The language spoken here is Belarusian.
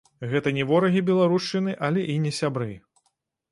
Гэта не ворагі беларушчыны, але і не сябры.